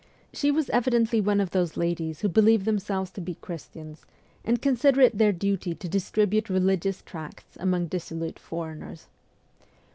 She was evidently one of those ladies who believe themselves to be Christians, and consider it their duty to distribute religious tracts among ' dissolute foreigners.'